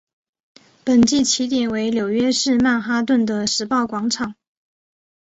本季起点为纽约市曼哈顿的时报广场。